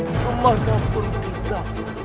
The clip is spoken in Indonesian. semata pun kita